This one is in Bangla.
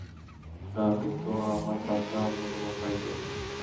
না, কিন্তু আমার তাছাড়া অন্য কোন উপায় নেই।